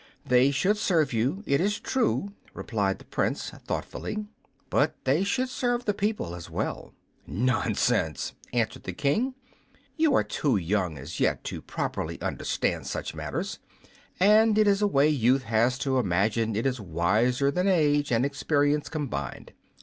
"They should serve you, it is true," replied the Prince, thoughtfully, "but they should serve the people as well." "Nonsense!" answered the King; "you are too young as yet to properly understand such matters. And it is a way youth has to imagine it is wiser than age and experience combined.